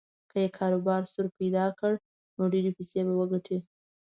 که یې کاروبار سور پیدا کړ نو ډېرې پیسې به وګټي.